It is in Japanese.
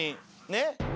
ねっ。